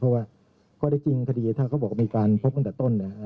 เพราะว่าก็ได้จริงคดีถ้าเขาบอกว่ามีการพบกันตั้งแต่ต้น